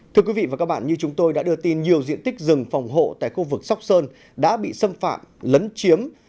thưa quý vị và các bạn như chúng tôi đã đưa tin nhiều diện tích rừng phòng hộ tại khu vực sóc sơn đã bị xâm phạm lấn chiếm